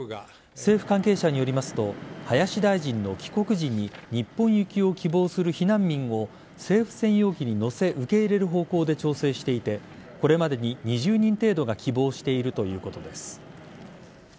政府関係者によりますと林大臣の帰国時に日本行きを希望する避難民を政府専用機に乗せ受け入れる方向で調整していてこれまでに２０人程度が希望しているということです。